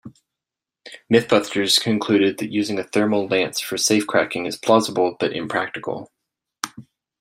"MythBusters" concluded that using a thermal lance for safe-cracking is plausible, but impractical.